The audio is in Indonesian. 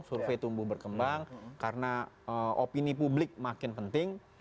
survei tumbuh berkembang karena opini publik makin penting